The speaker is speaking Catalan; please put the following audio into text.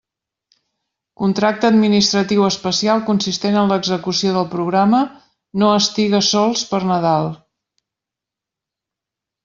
Contracte administratiu especial consistent en l'execució del programa "No estigues sols pel Nadal".